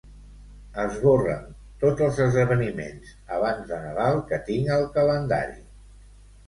Esborra'm tots els esdeveniments abans de Nadal que tinc al calendari.